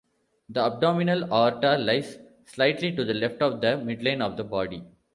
The abdominal aorta lies slightly to the left of the midline of the body.